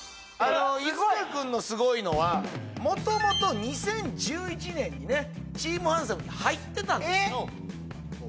猪塚くんのすごいのはもともと２０１１年にねチーム・ハンサム！に入ってたんですえっ